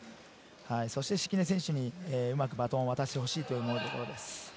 そして敷根選手にうまくバトンをわたしてほしいというところです。